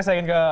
saya ingin ke